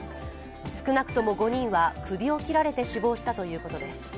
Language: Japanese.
少なくとも５人は首を切られて死亡したということです。